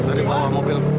dari bawah mobil